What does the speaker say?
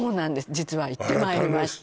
実は行ってまいりました